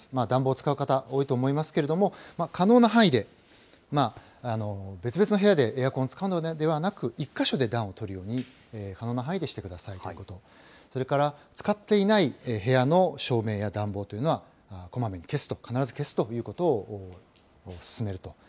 暖房を使う方、多いと思いますけれども、可能な範囲で別々の部屋でエアコンを使うのではなく、１か所で暖をとるように、可能な範囲でしてくださいということ、それから使っていない部屋の照明や暖房というのは、こまめに消すと、必ず消すということを勧めると。